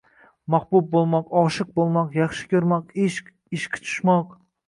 “Mahbub bo’lmoq”, “Oshiq bo’lmoq”, “Yaxshi ko’rmoq”, “Ishq”, “Ishqi tushmoq”